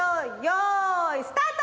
よいスタート！